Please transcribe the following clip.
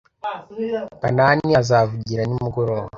Kanani azavugira nimugoroba.